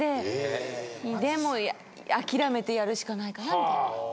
でも諦めてやるしかないかなみたいな。